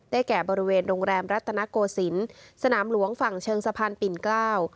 แก่บริเวณโรงแรมรัตนโกศิลป์สนามหลวงฝั่งเชิงสะพานปิ่นเกล้า